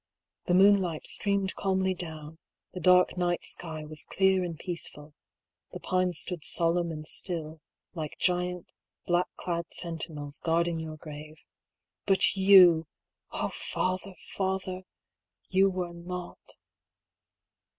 The moonlight streamed calmly down ; the dark night sky was clear and peaceful ; the pines stood solemn and still, like giant, black clad sentinels guarding your grave. But you — oh, father, father !— you were not.